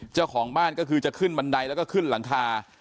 เจ้าของบ้านก็คือจะขึ้นบันไดแล้วก็ขึ้นหลังคา